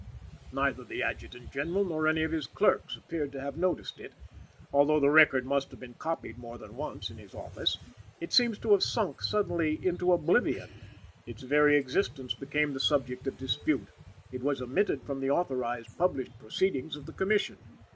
Neither the Adjutant General nor any of his clerks, appear to have noticed it, although the record must have been copied more than once in his office. It seems to have sunk suddenly into oblivion; its very existence became the subject of dispute. It was omitted from the authorized published proceedings of the Commission.